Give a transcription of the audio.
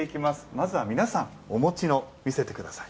まずは皆さんお持ちの見せてください。